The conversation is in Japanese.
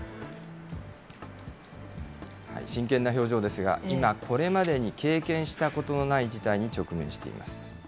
真剣な表情ですが、今、これまでに経験したことのない事態に直面しています。